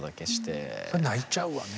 そりゃ泣いちゃうわね。